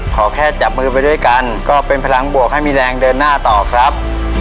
ขอแค่จับมือไปด้วยกันก็เป็นพลังบวกให้มีแรงเดินหน้าต่อครับ